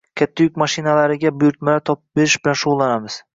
Katta yuk mashinalariga buyurtmalar topib berish bilan shugʻullanamiz.